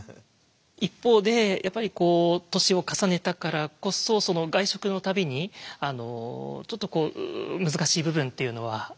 一方でやっぱり年を重ねたからこそ外食の度にちょっとこう難しい部分っていうのは？